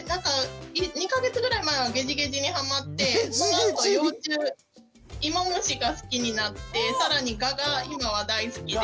２か月ぐらい前はゲジゲジにハマってそのあと幼虫イモムシが好きになって更にガが今は大好きで。